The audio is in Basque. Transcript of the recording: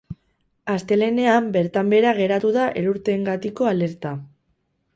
Astelehenean bertan behera geratu da elurteengatiko alerta.